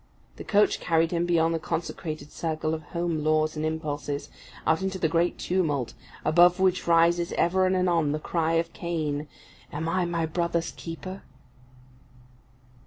The coach carried him beyond the consecrated circle of home laws and impulses, out into the great tumult, above which rises ever and anon the cry of Cain, "Am I my brother's keeper?"